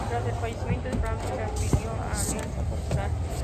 Tras el fallecimiento de Franco, se afilió a Alianza Popular.